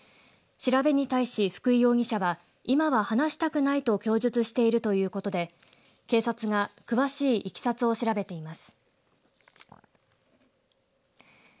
調べに対し、福井容疑者は今は話したくないと供述しているということで警察が詳しいいきさつを調べています。